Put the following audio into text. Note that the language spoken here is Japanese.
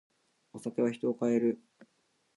お酒は人を変える。